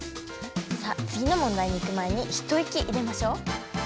さあつぎのもんだいに行く前に一息いれましょう。